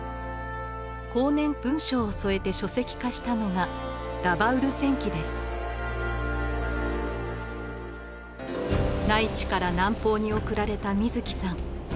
後年文章を添えて書籍化したのが内地から南方に送られた水木さん。